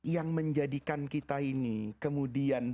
yang menjadikan kita ini kemudian